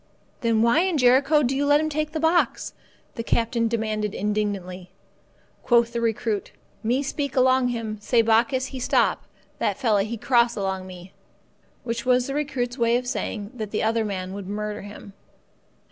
"Then why in Jericho do you let him take the box?" the captain demanded indignantly. Quoth the recruit, "Me speak along him, say bokkis he stop, that fella he cross along me"—which was the recruit's way of saying that the other man would murder him.